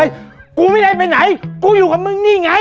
กูไม่ได้ไปไหนกูอยู่กับมึงนี่ไง